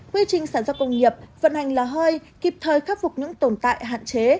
quy trình sản xuất công nghiệp vận hành lò hơi kịp thời khắc phục những tồn tại hạn chế